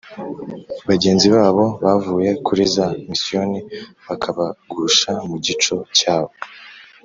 bagenzi babo bavuye kuri za misiyoni bakabagusha mu gico cyabo